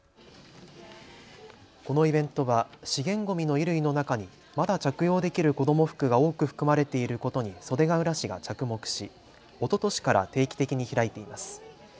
このイベントは資源ごみの衣類の中にまだ着用できる子ども服が多く含まれていることに袖ケ浦市が着目し、おととしから定期的に開いています。